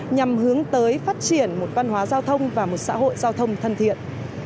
nhằm hướng tới phát triển một văn hóa giao thông và một xã hội giao thông thân thiện